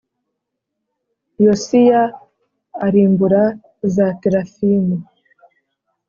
Yosiya arimbura za terafimu